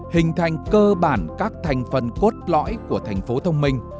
hình thành cơ bản các thành phần cốt lõi của thành phố thông minh